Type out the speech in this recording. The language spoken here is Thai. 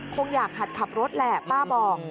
คงอยากหัดขับรถแหละป้าบอก